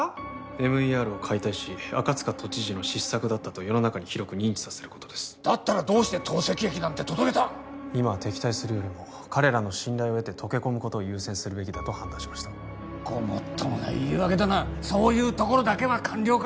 ＭＥＲを解体し赤塚都知事の失策だったと世の中に広く認知させることですだったらどうして透析液なんて届けた今は敵対するよりも彼らの信頼を得て溶け込むことを優先するべきだと判断しましたごもっともな言い訳だなそういうところだけは官僚か？